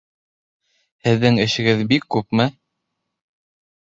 Һеҙҙең эшегеҙ бик күпме?